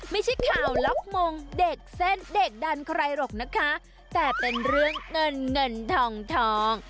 ไม่ใช่ข่าวล็อกมงเด็กเส้นเด็กดันใครหรอกนะคะแต่เป็นเรื่องเงินเงินทองทอง